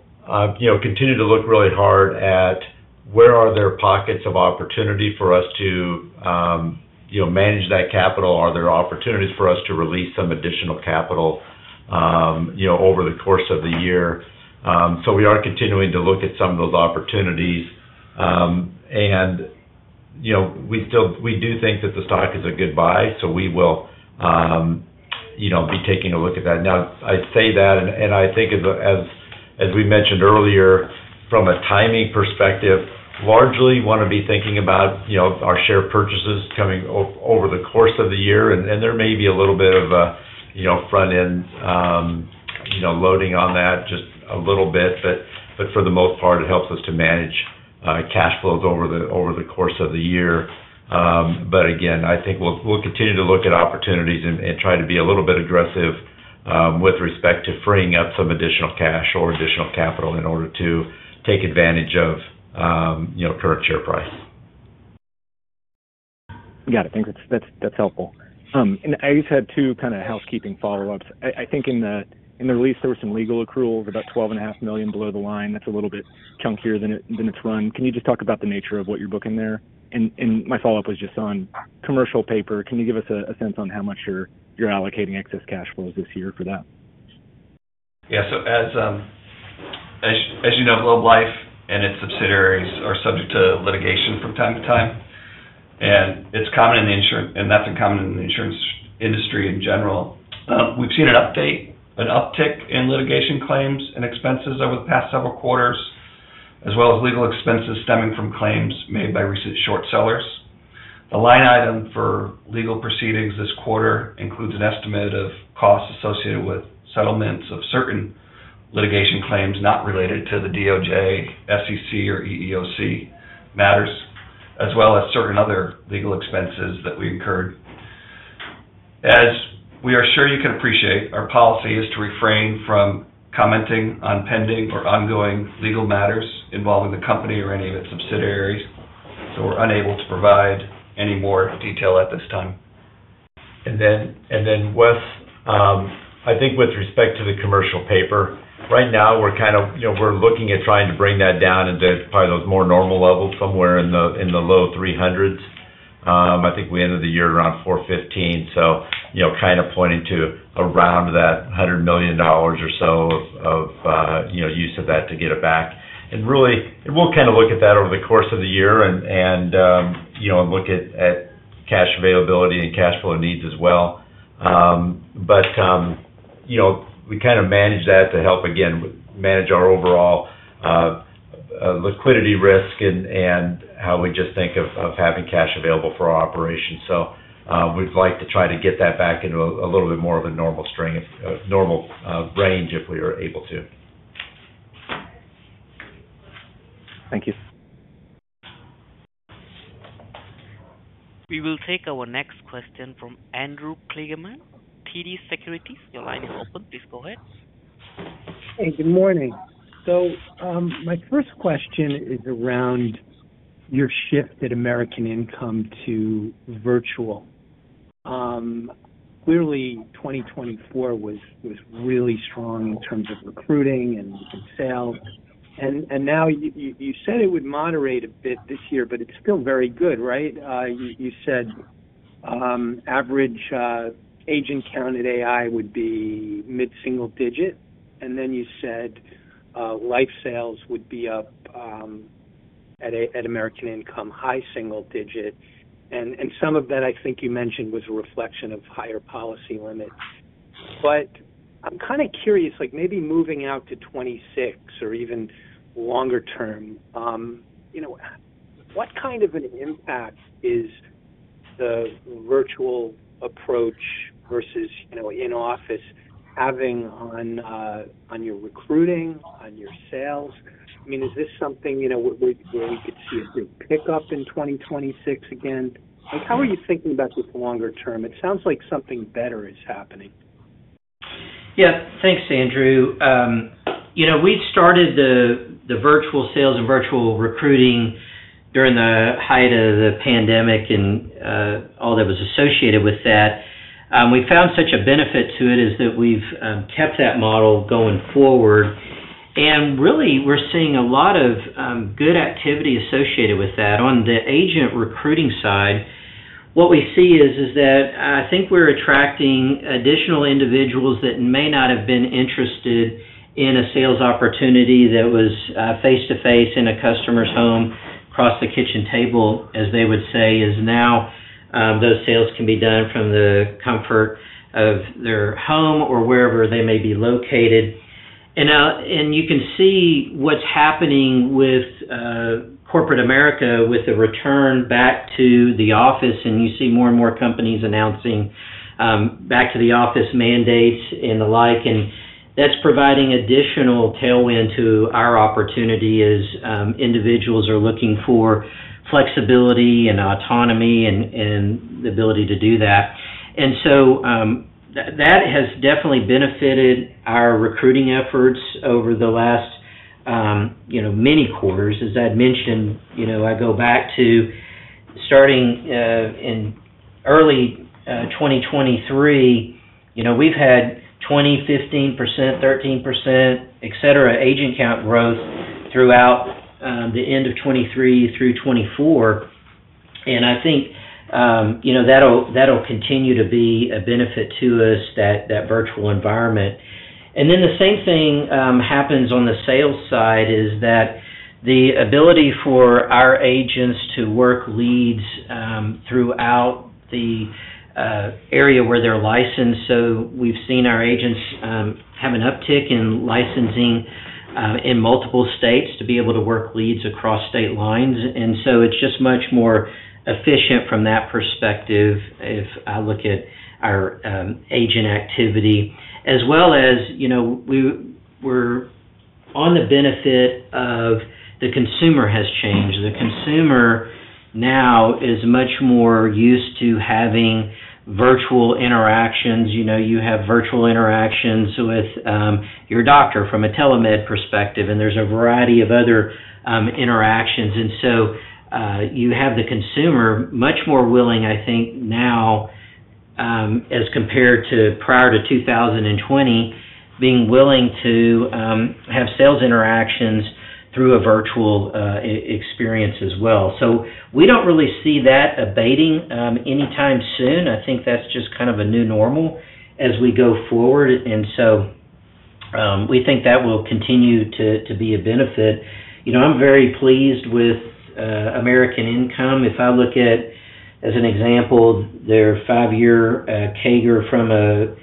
continue to look really hard at where are there pockets of opportunity for us to manage that capital. Are there opportunities for us to release some additional capital over the course of the year? So we are continuing to look at some of those opportunities. And we do think that the stock is a good buy. So we will be taking a look at that. Now, I say that, and I think, as we mentioned earlier, from a timing perspective, largely want to be thinking about our share purchases coming over the course of the year. And there may be a little bit of front-end loading on that, just a little bit. But for the most part, it helps us to manage cash flows over the course of the year. But again, I think we'll continue to look at opportunities and try to be a little bit aggressive with respect to freeing up some additional cash or additional capital in order to take advantage of current share price. Got it. Thanks. That's helpful. And I just had two kind of housekeeping follow-ups. I think in the release, there were some legal accruals, about $12.5 million below the line. That's a little bit chunkier than it's run. Can you just talk about the nature of what you're booking there? And my follow-up was just on commercial paper. Can you give us a sense on how much you're allocating excess cash flows this year for that? Yeah. So as you know, Globe Life and its subsidiaries are subject to litigation from time to time. And it's common in the insurance industry, and that's not uncommon in the insurance industry in general. We've seen an uptick in litigation claims and expenses over the past several quarters, as well as legal expenses stemming from claims made by recent short sellers. The line item for legal proceedings this quarter includes an estimate of costs associated with settlements of certain litigation claims not related to the DOJ, SEC, or EEOC matters, as well as certain other legal expenses that we incurred. As we are sure you can appreciate, our policy is to refrain from commenting on pending or ongoing legal matters involving the company or any of its subsidiaries. So we're unable to provide any more detail at this time. And then, Wes, I think with respect to the commercial paper, right now, we're kind of looking at trying to bring that down into probably those more normal levels somewhere in the low 300s. I think we ended the year around 415, so kind of pointing to around that $100 million or so of use of that to get it back. And really, we'll kind of look at that over the course of the year and look at cash availability and cash flow needs as well. But we kind of manage that to help, again, manage our overall liquidity risk and how we just think of having cash available for our operations. So we'd like to try to get that back into a little bit more of a normal string, a normal range if we are able to. Thank you. We will take our next question from Andrew Kligerman, TD Securities. Your line is open. Please go ahead. Hey, good morning. So my first question is around your shift at American Income to virtual. Clearly, 2024 was really strong in terms of recruiting and sales. And now, you said it would moderate a bit this year, but it's still very good, right? You said average agent count at AI would be mid-single digit. And then you said life sales would be up at American Income, high single digit. And some of that, I think you mentioned, was a reflection of higher policy limits. But I'm kind of curious, maybe moving out to 2026 or even longer term, what kind of an impact is the virtual approach versus in-office having on your recruiting, on your sales? I mean, is this something where we could see a big pickup in 2026 again? How are you thinking about this longer term? It sounds like something better is happening. Yeah. Thanks, Andrew. We started the virtual sales and virtual recruiting during the height of the pandemic and all that was associated with that. We found such a benefit to it is that we've kept that model going forward. And really, we're seeing a lot of good activity associated with that. On the agent recruiting side, what we see is that I think we're attracting additional individuals that may not have been interested in a sales opportunity that was face-to-face in a customer's home, across the kitchen table, as they would say. Is now those sales can be done from the comfort of their home or wherever they may be located. And you can see what's happening with corporate America with the return back to the office. And you see more and more companies announcing back-to-the-office mandates and the like. And that's providing additional tailwind to our opportunity as individuals are looking for flexibility and autonomy and the ability to do that. And so that has definitely benefited our recruiting efforts over the last many quarters. As I'd mentioned, I go back to starting in early 2023, we've had 20%, 15%, 13%, etc., agent count growth throughout the end of 2023 through 2024. And I think that'll continue to be a benefit to us, that virtual environment. And then the same thing happens on the sales side is that the ability for our agents to work leads throughout the area where they're licensed. So we've seen our agents have an uptick in licensing in multiple states to be able to work leads across state lines. And so it's just much more efficient from that perspective if I look at our agent activity. As well as we're on, the behavior of the consumer has changed. The consumer now is much more used to having virtual interactions. You have virtual interactions with your doctor from a telemed perspective, and there's a variety of other interactions. And so you have the consumer much more willing, I think, now as compared to prior to 2020, being willing to have sales interactions through a virtual experience as well. We don't really see that abating anytime soon. I think that's just kind of a new normal as we go forward, and so we think that will continue to be a benefit. I'm very pleased with American Income. If I look at, as an example, their five-year CAGR from an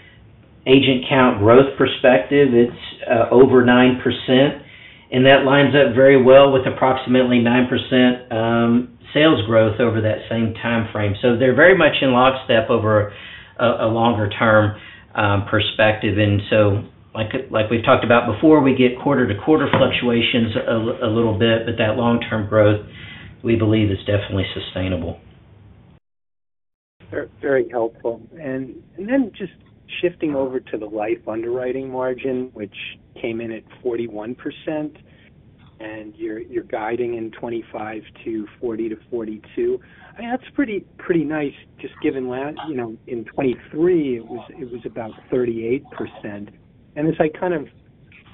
agent count growth perspective, it's over 9%, and that lines up very well with approximately 9% sales growth over that same timeframe. So they're very much in lockstep over a longer-term perspective. And so like we've talked about before, we get quarter-to-quarter fluctuations a little bit. But that long-term growth, we believe, is definitely sustainable. Very helpful. Then just shifting over to the life underwriting margin, which came in at 41%. And you're guiding in 2025 to 40%-42%. I mean, that's pretty nice just given in 2023, it was about 38%. And as I kind of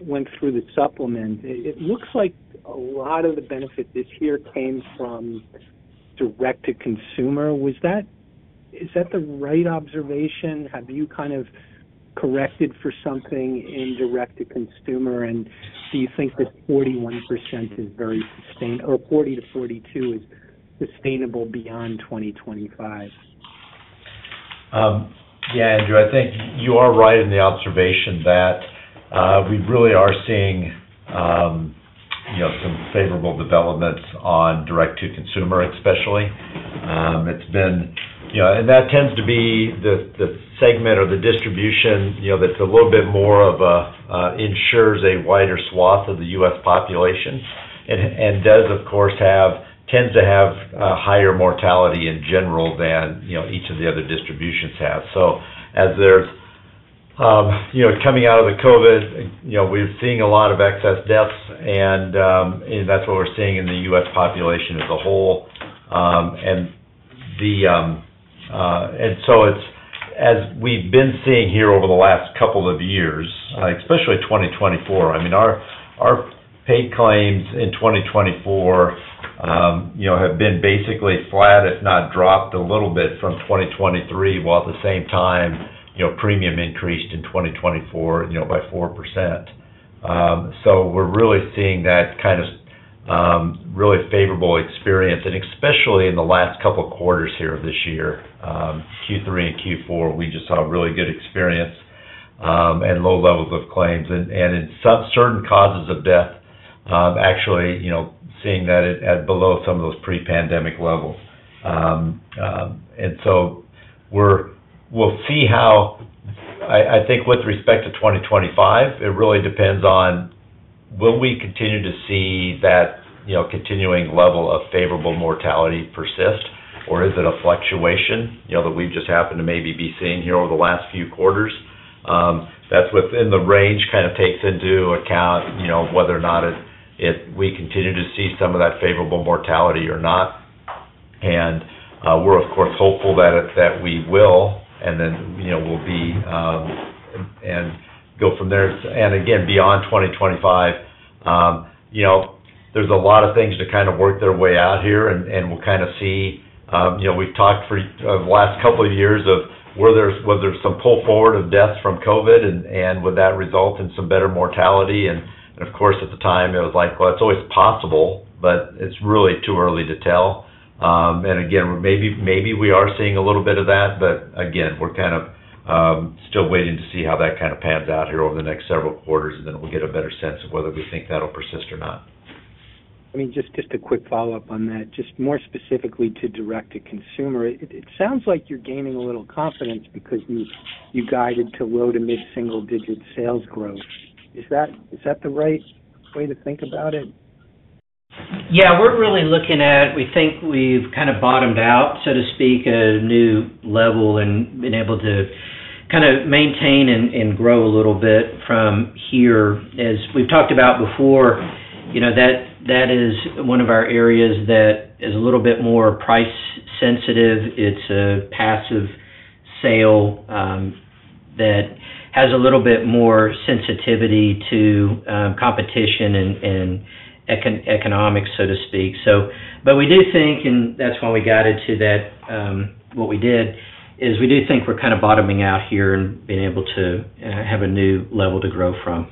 went through the supplement, it looks like a lot of the benefit this year came from Direct to Consumer. Is that the right observation? Have you kind of corrected for something in Direct to Consumer? And do you think that 41% is very sustainable, or 40%-42% is sustainable beyond 2025? Yeah, Andrew. I think you are right in the observation that we really are seeing some favorable developments on Direct to Consumer, especially. It's been, and that tends to be the segment or the distribution that's a little bit more of a insures a wider swath of the U.S. population and does, of course, tend to have higher mortality in general than each of the other distributions have. So as we're coming out of the COVID, we're seeing a lot of excess deaths. And that's what we're seeing in the U.S. population as a whole. And so as we've been seeing here over the last couple of years, especially 2024, I mean, our paid claims in 2024 have been basically flat, if not dropped a little bit from 2023, while at the same time, premium increased in 2024 by 4%. So we're really seeing that kind of really favorable experience. And especially in the last couple of quarters here of this year, Q3 and Q4, we just saw a really good experience and low levels of claims. And in certain causes of death, actually seeing that at below some of those pre-pandemic levels. And so we'll see how I think with respect to 2025, it really depends on will we continue to see that continuing level of favorable mortality persist, or is it a fluctuation that we've just happened to maybe be seeing here over the last few quarters? That's within the range kind of takes into account whether or not we continue to see some of that favorable mortality or not. And we're, of course, hopeful that we will, and then we'll be and go from there. And again, beyond 2025, there's a lot of things to kind of work their way out here. And we'll kind of see. We've talked for the last couple of years of whether there's some pull forward of deaths from COVID, and would that result in some better mortality? And of course, at the time, it was like, well, it's always possible, but it's really too early to tell. And again, maybe we are seeing a little bit of that. But again, we're kind of still waiting to see how that kind of pans out here over the next several quarters. And then we'll get a better sense of whether we think that'll persist or not. I mean, just a quick follow-up on that, just more specifically to Direct to Consumer. It sounds like you're gaining a little confidence because you guided to low- to mid-single-digit sales growth. Is that the right way to think about it? Yeah. We're really looking at, we think, we've kind of bottomed out, so to speak, a new level and been able to kind of maintain and grow a little bit from here. As we've talked about before, that is one of our areas that is a little bit more price-sensitive. It's a passive sale that has a little bit more sensitivity to competition and economics, so to speak. But we do think, and that's why we guided to that what we did, is we do think we're kind of bottoming out here and being able to have a new level to grow from.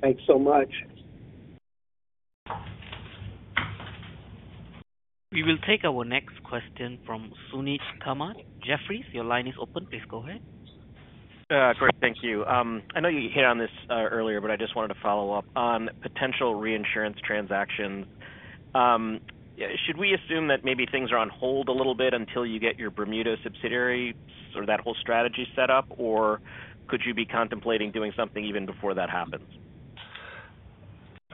Thanks so much. We will take our next question from Suneet Kamath, Jefferies. Your line is open. Please go ahead. Great. Thank you. I know you hit on this earlier, but I just wanted to follow up on potential reinsurance transactions. Should we assume that maybe things are on hold a little bit until you get your Bermuda subsidiary or that whole strategy set up? Or could you be contemplating doing something even before that happens?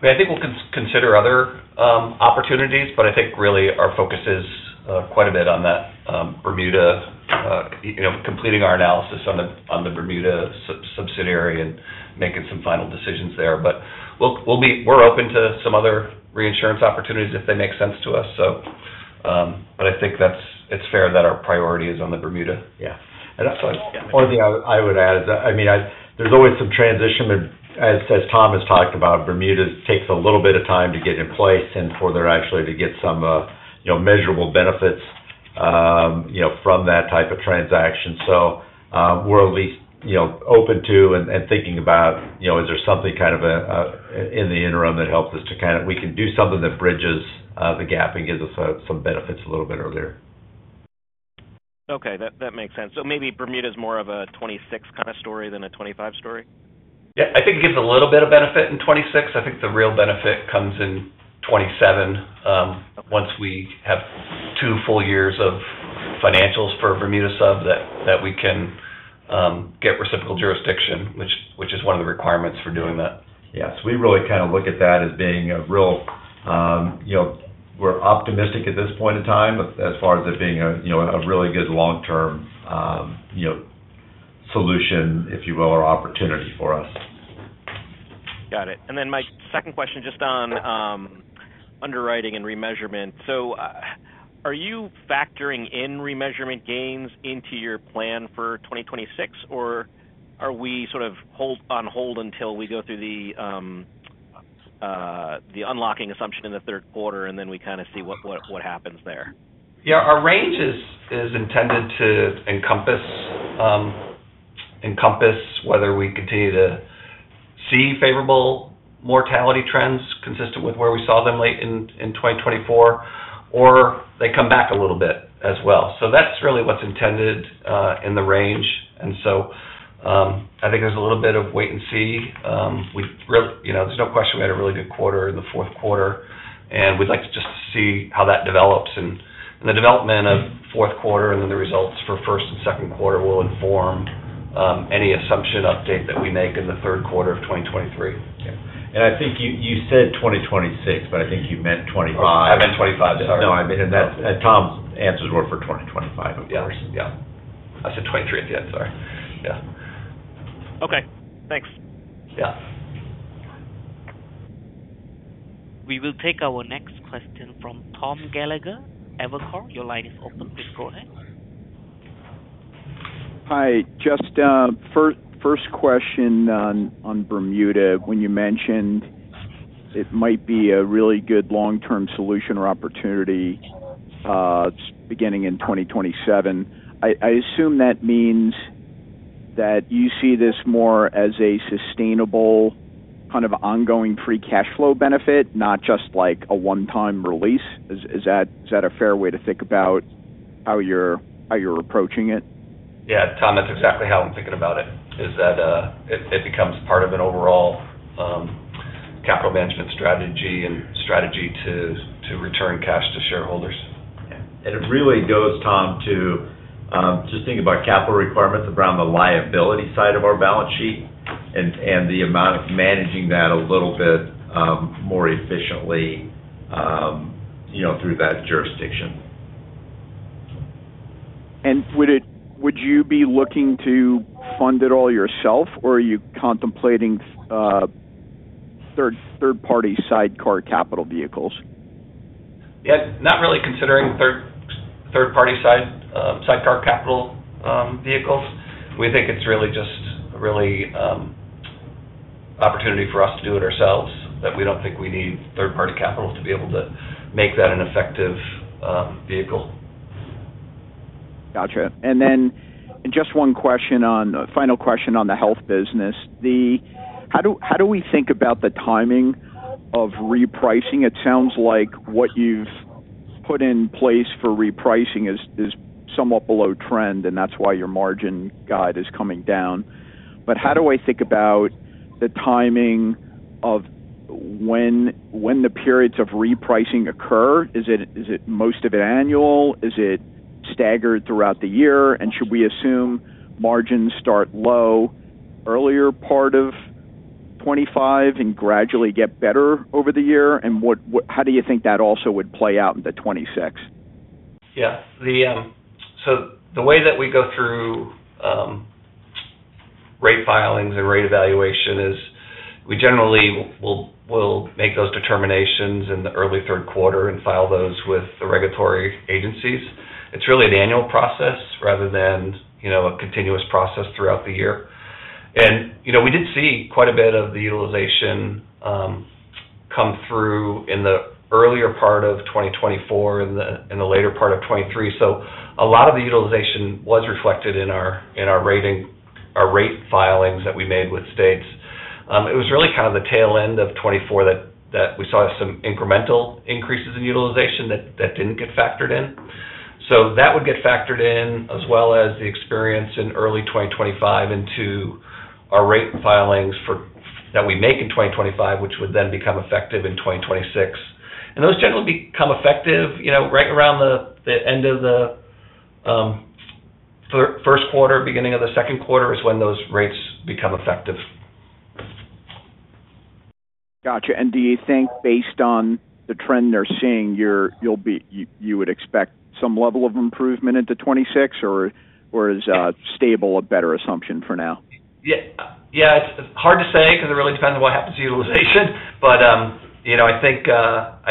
I think we'll consider other opportunities. But I think really our focus is quite a bit on that Bermuda, completing our analysis on the Bermuda subsidiary and making some final decisions there. But we're open to some other reinsurance opportunities if they make sense to us. But I think it's fair that our priority is on the Bermuda. Yeah. And that's what I would add. I mean, there's always some transition. As Tom has talked about, Bermuda takes a little bit of time to get in place and for there actually to get some measurable benefits from that type of transaction. So we're at least open to and thinking about, is there something kind of in the interim that helps us to kind of we can do something that bridges the gap and gives us some benefits a little bit earlier. Okay. That makes sense. So maybe Bermuda is more of a 2026 kind of story than a 2025 story? Yeah. I think it gives a little bit of benefit in 2026. I think the real benefit comes in 2027 once we have two full years of financials for Bermuda sub that we can get reciprocal jurisdiction, which is one of the requirements for doing that. Yes. We really kind of look at that as being a real, we're optimistic at this point in time, as far as it being a really good long-term solution, if you will, or opportunity for us. Got it. And then my second question just on underwriting and remeasurement. So are you factoring in remeasurement gains into your plan for 2026? Or are we sort of on hold until we go through the unlocking assumption in the third quarter, and then we kind of see what happens there? Yeah. Our range is intended to encompass whether we continue to see favorable mortality trends consistent with where we saw them late in 2024, or they come back a little bit as well. So that's really what's intended in the range. And so I think there's a little bit of wait and see. There's no question we had a really good quarter in the fourth quarter. And we'd like to just see how that develops. And the development of fourth quarter and then the results for first and second quarter will inform any assumption update that we make in the third quarter of 2023. Yeah. And I think you said 2026, but I think you meant 2025. I meant 2025. Sorry. No. I mean, Tom's answers were for 2025, of course. Yeah. I said 2023 at the end. Sorry. Yeah. Okay. Thanks. Yeah. We will take our next question from Tom Gallagher, Evercore. Your line is open. Please go ahead. Hi. Just first question on Bermuda, when you mentioned it might be a really good long-term solution or opportunity beginning in 2027, I assume that means that you see this more as a sustainable kind of ongoing free cash flow benefit, not just like a one-time release. Is that a fair way to think about how you're approaching it? Yeah. Tom, that's exactly how I'm thinking about it, is that it becomes part of an overall capital management strategy and strategy to return cash to shareholders. Yeah. And it really goes, Tom, to just think about capital requirements around the liability side of our balance sheet and the amount of managing that a little bit more efficiently through that jurisdiction. Would you be looking to fund it all yourself, or are you contemplating third-party sidecar capital vehicles? Yeah. Not really considering third-party sidecar capital vehicles. We think it's really just an opportunity for us to do it ourselves, that we don't think we need third-party capital to be able to make that an effective vehicle. Gotcha. And then just one question, final question on the health business. How do we think about the timing of repricing? It sounds like what you've put in place for repricing is somewhat below trend, and that's why your margin guide is coming down. But how do I think about the timing of when the periods of repricing occur? Is it most of it annual? Is it staggered throughout the year? And should we assume margins start low earlier part of 2025 and gradually get better over the year? And how do you think that also would play out in the 2026? Yeah. So the way that we go through rate filings and rate evaluation is we generally will make those determinations in the early third quarter and file those with the regulatory agencies. It's really an annual process rather than a continuous process throughout the year. And we did see quite a bit of the utilization come through in the earlier part of 2024 and the later part of 2023. So a lot of the utilization was reflected in our rate filings that we made with states. It was really kind of the tail end of 2024 that we saw some incremental increases in utilization that didn't get factored in. So that would get factored in as well as the experience in early 2025 into our rate filings that we make in 2025, which would then become effective in 2026. Those generally become effective right around the end of the first quarter. Beginning of the second quarter is when those rates become effective. Gotcha. And do you think based on the trend they're seeing, you would expect some level of improvement into 2026, or is stable a better assumption for now? Yeah. It's hard to say because it really depends on what happens to utilization, but I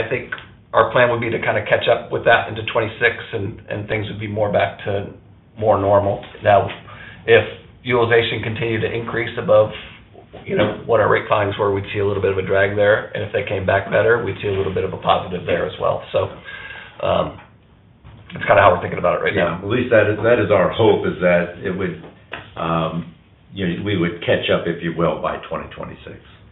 think our plan would be to kind of catch up with that into 2026, and things would be more back to normal. Now, if utilization continued to increase above what our rate filings were, we'd see a little bit of a drag there, and if they came back better, we'd see a little bit of a positive there as well, so that's kind of how we're thinking about it right now. Yeah. At least that is our hope, is that we would catch up, if you will, by 2026.